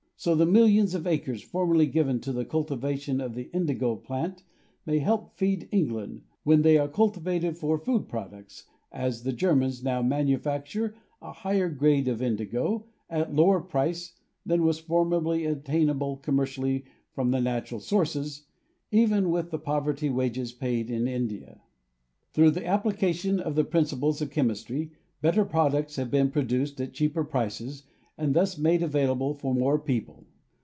So the millions of acres formerly given to the cultivation of the indigo plant may help feed England when they are cultivated for food products, as the Germans now manu facture a higher grade of indigo, at a lower price, than was formerly obtainable commercially from the natural sources, even with the poverty wages paid in India. Through the application of the principles of chemistry, better products have been produced at cheaper prices and thus made available for more people.